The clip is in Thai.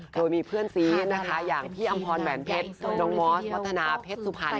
โดยมีเพื่อนซีนะคะอย่างพี่อำพรแหวนเพชรส่วนน้องมอสวัฒนาเพชรสุพรรณ